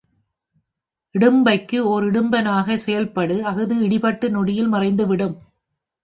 இடும்பைக்கு ஒர் இடும்பனாகச் செயல்படு அஃது இடிபட்டு நொடியில் மறைந்துவிடும்.